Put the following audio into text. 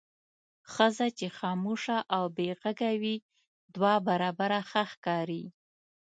ښځه چې خاموشه او بې غږه وي دوه برابره ښه ښکاري.